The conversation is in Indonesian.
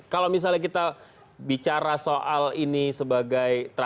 kalau misalnya kita bicara soal ini sebagai transaksi gitu ya